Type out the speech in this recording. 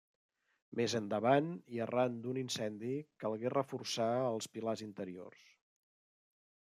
Més endavant i arran d'un incendi calgué reforçar els pilars interiors.